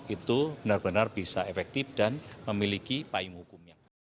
itu benar benar bisa efektif dan memiliki payung hukumnya